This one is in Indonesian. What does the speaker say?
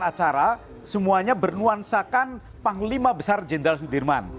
semua kegiatan rangkaian acara semuanya bernuansakan panglima besar jenderal sudirman